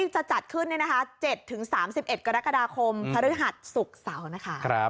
จะจัดขึ้น๗๓๑กรกฎาคมพฤหัสศุกร์เสาร์นะคะ